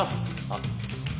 あっ。